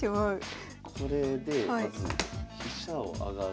これでまず飛車を上がる。